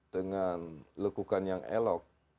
dengan lekukan yang elok